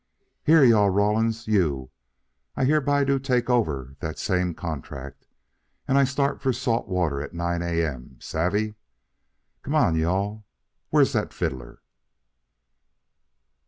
Here, you all Rawlins, you I hereby do take over that same contract, and I start for salt water at nine A.M. savvee? Come on, you all! Where's that fiddler?"